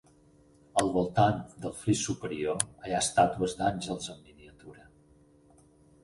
Al voltant del fris superior hi ha estàtues d'àngels en miniatura.